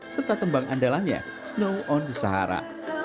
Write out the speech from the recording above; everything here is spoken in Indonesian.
serta tembang andalannya snow on the sahara